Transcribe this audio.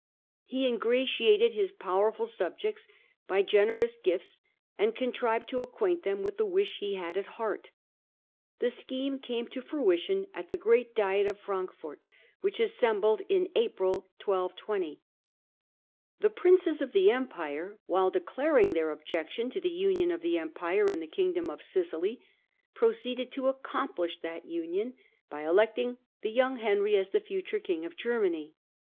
He ingratiated his powerful sub jects by generous gifts and contrived to acquaint them with the wish that he had at heart. The scheme came to fruition at the great Diet of Frankfort, which assembled in April, 1220. The Princes of the Empire, while de claring their objection to the union of the Empire and the Kingdom of Sicily, proceeded to accomplish that union by electing the young Henry as the future King of Germany.